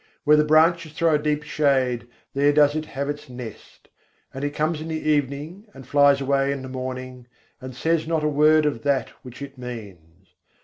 Where the branches throw a deep shade, there does it have its nest: and it comes in the evening and flies away in the morning, and says not a word of that which it means.